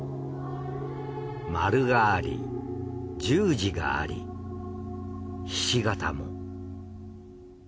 丸があり十字がありひし形も。